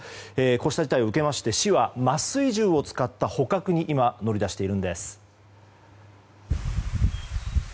こうした事態を受けまして市は麻酔銃を使った捕獲に今、乗り出しているんです。